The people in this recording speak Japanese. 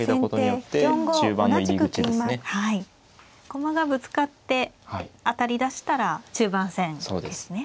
駒がぶつかって当たりだしたら中盤戦ですね。